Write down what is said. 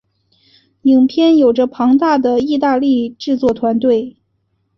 影片有着庞大的意大利制作团队。